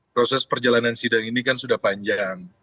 proses perjalanan sidang ini kan sudah panjang